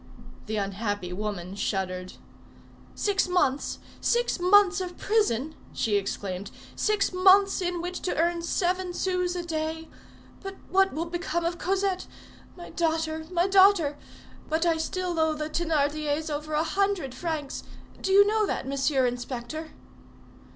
The unhappy woman shuddered. "Six months! six months of prison!" she exclaimed. "Six months in which to earn seven sous a day! But what will become of Cosette? My daughter! my daughter! But I still owe the Thénardiers over a hundred francs; do you know that, Monsieur Inspector?"